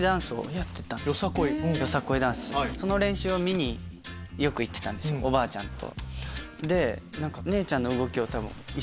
その練習を見によく行ってたんですおばあちゃんと。